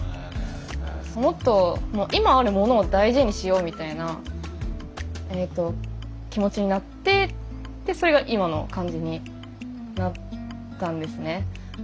もっと今あるものを大事にしようみたいな気持ちになってでそれが今の感じになったんですね。